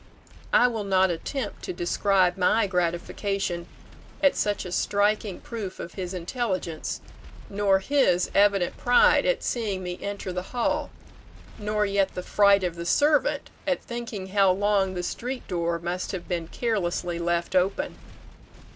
I will not attempt to describe my gratification at such a striking proof of his intelligence, nor his evident pride at seeing me enter the hall, nor yet the fright of the servant at thinking how long the street door must have been carelessly left open.